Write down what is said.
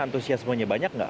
antusiasmenya banyak gak